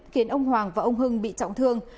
khiến ông hoàng và ông hưng bị trọng thương